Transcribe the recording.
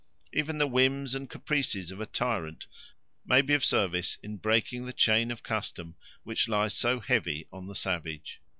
Even the whims and caprices of a tyrant may be of service in breaking the chain of custom which lies so heavy on the savage.